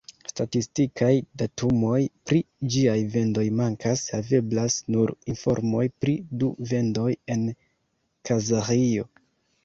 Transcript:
Statistikaj datumoj pri ĝiaj vendoj mankas, haveblas nur informoj pri du vendoj en Kazaĥio.